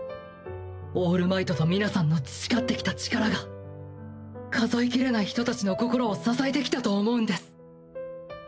オールマイトと皆さんの培ってきた力が数えきれない人達の心を支えてきたと思うんです。